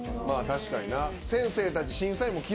確かにな。